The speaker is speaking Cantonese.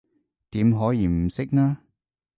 點可以唔識呢？